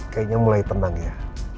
kayaknya mulai tenang ya